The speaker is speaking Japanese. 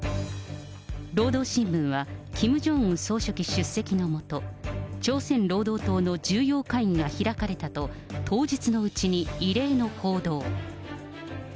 労働新聞はキム・ジョンウン総書記出席の下、朝鮮労働党の重要会議が開かれたと、当日のうちに異例の報道。